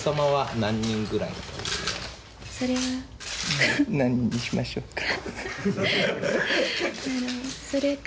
何人にしましょうか。